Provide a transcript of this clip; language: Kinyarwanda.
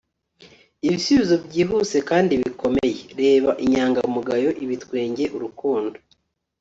ibisubizo byihuse kandi bikomeye, reba inyangamugayo, ibitwenge, urukundo